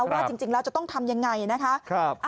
ว่าจริงแล้วจะต้องทำยังไงนะคะ